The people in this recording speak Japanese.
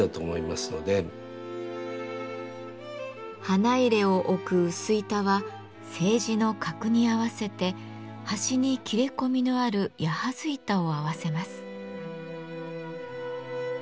花入を置く薄板は青磁の格に合わせて端に切れ込みのある「矢筈板」を合わせます。